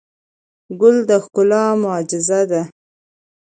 ګل د ښکلا معجزه ده.